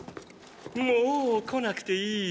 もう来なくていいよ！！